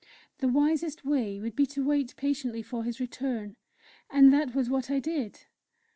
The wisest way would be to wait patiently for his return, and that was what I did.